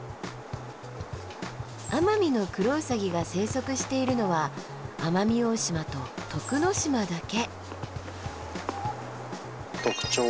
アマミノクロウサギが生息しているのは奄美大島と徳之島だけ。